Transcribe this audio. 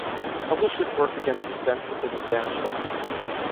Publish this work against dissents within the Spanish left.